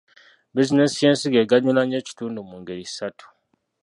Bizinensi y’ensigo eganyula nnyo ekitundu mu ngeri ssatu.